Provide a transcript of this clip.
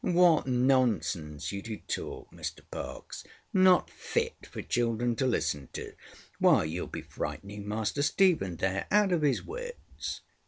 ŌĆØ ŌĆ£What nonsense you do talk, Mr ParkesŌĆönot fit for children to listen to! Why, youŌĆÖll be frightening Master Stephen there out of his wits.